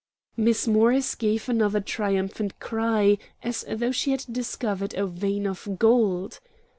Miss Morris gave another triumphant cry, as though she had discovered a vein of gold.